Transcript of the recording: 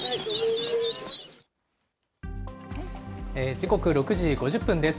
時刻６時５０分です。